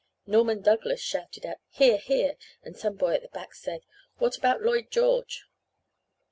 "Norman Douglas shouted out 'Hear! Hear!' and some boy at the back said, 'What about Lloyd George?'